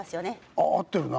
あ合ってるな。